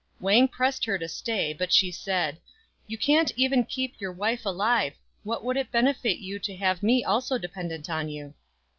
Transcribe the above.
Wang pressed her to stay, but she said, "You can't even keep your wife alive; what would it benefit you to have me also dependent on you?"